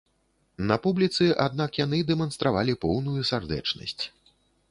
На публіцы, аднак, яны дэманстравалі поўную сардэчнасць.